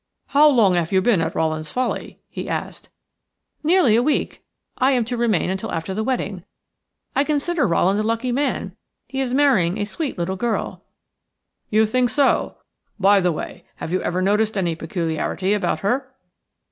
"How long have you been at Rowland's Folly?" he asked. "Nearly a week. I am to remain until after the wedding. I consider Rowland a lucky man. He is marrying a sweet little girl." "You think so? By the way, have you ever noticed any peculiarity about her?"